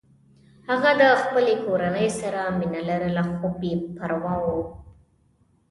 هغه د خپلې کورنۍ سره مینه لرله خو بې پروا و